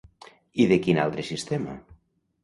I de quin altre sistema?